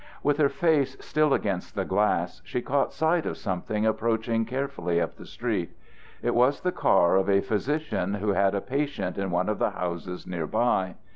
With her face still against the glass she caught sight of something approaching carefully up the street. It was the car of a physician who had a patient in one of the houses near by.